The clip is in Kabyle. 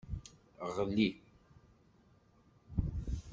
Ɣli.